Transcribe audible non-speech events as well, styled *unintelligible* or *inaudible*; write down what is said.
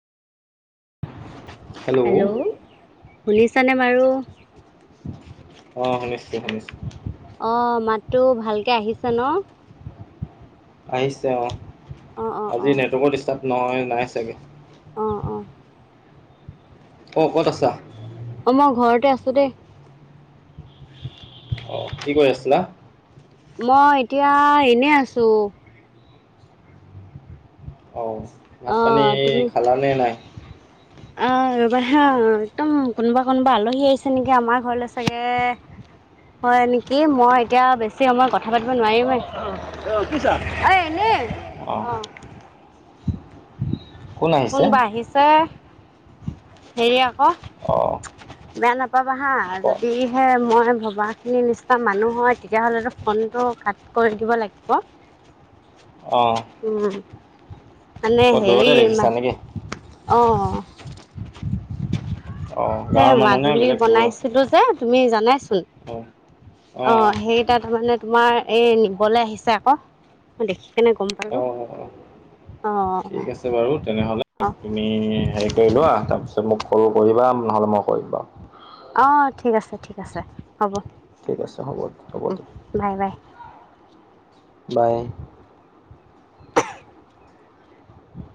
*unintelligible* Hello শুনিছানে বাৰু? অঁ শুনিছো শুনিছো। অ মাততো ভালকে আহিছে ন! আহিছে অ! অ' অ' আজি অ' নেটৱৰ্কৰ ডিষ্টাৰ্ব নহয় নাই চাগে অ' অ' অঁ ক'ত আছা অ মই ঘৰতে আছো দেই অ কি কৰি আছিলা? মই এতিয়া এনে আছোঁ। অ মাছ পানী অ' তুমি খালা নে নাই? *inaudible* অ' ৰবা হাঁ একদম কোনোবা -কোনোবা আলহী আহিছে নেকি আমাৰ ঘৰলে চাগে হয় নেকি মই এতিয়া বেছি সময়ত কথা পাতিব নোৱাৰিমে, অ' এনেই অহঁ! অ' আহিছে কোনবা আহিছে হেৰি আকৌ অ বেয়া নাপাবা হা ক'ত যদিহে মই ভবা খিনিৰ নিচিনা মানুহ হয় তেতিয়া হ'লে টো ফ'নটো কাট কৰি দিব লাগিব *inaudible* অ উম! মানে ক'ত হেৰি দূৰতে দেখিছা ম নেকি অ! অ সে গাঁৱৰ মানুহ নে মাদুলী বেলেগ দূৰৰ বনাইছিলো যে তুমি জানাইচোন। অ অ সেইকটাত মানে তোমাৰ এই নিবলৈ আহিছে আকৌ মই দেখি কেনে গম অ অ পালো ঠিক আছে বাৰু তেনেহলে অঁ তুমি হেৰি কৰি লোৱা তাৰপিছত মোক সৰু কৰিবা নহ'লে মই কৰিম‌ বাৰু অঁ ঠিক আছে ঠিক আছে হ'ব। ঠিক আছে হ'ব, হ'ব দিয়। Bye bye bye. *inaudible*